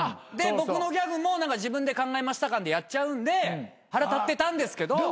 で僕のギャグも自分で考えました感でやっちゃうんで腹立ってたんですけど。